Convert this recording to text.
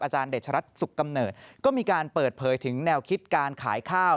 เดชรัฐสุขกำเนิดก็มีการเปิดเผยถึงแนวคิดการขายข้าว